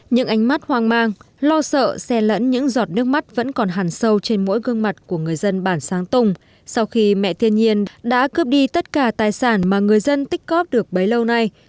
những ánh mắt hoang mang lo sợ xe lẫn những giọt nước mắt vẫn còn hẳn sâu trên mỗi gương mặt của người dân bản sáng tùng sau khi mẹ thiên nhiên đã cướp đi tất cả tài sản mà người dân tích cóp được bấy lâu nay